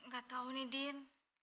gak tau nih din